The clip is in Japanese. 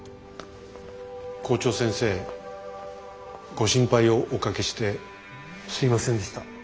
校長先生ご心配をおかけしてすいませんでした。